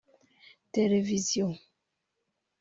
televiziyo